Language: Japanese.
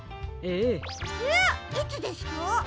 えっいつですか？